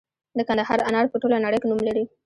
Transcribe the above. د کندهار انار په ټوله نړۍ کې نوم لري.